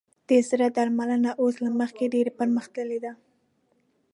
د زړه درملنه اوس له مخکې ډېره پرمختللې ده.